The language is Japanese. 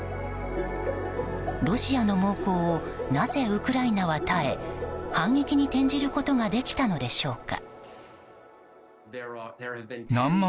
ロシアの猛攻をなぜウクライナは耐え反撃に転じることができたのでしょうか。